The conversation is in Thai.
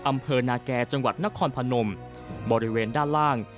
อำเภอนาแก่จังหวัดนครพนมบริเวณด้านล่าง